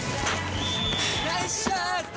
ナイスシュート！